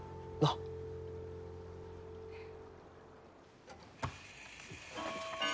うん。